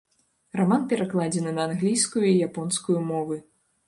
Раман перакладзены на англійскую і японскую мовы.